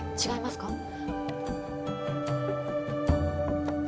「違いますか？」。